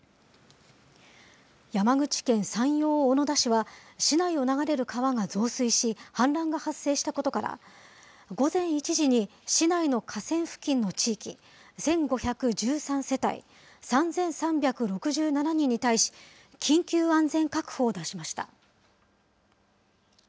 山口県山陽小野田市は、市内を流れる川が増水し、氾濫が発生したことから、午前１時に市内の河川付近の地域、１５１３世帯３３６７人に対し、緊急安全確保を出しました。